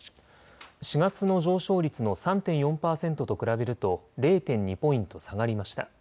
４月の上昇率の３．４％と比べると０．２ポイント下がりました。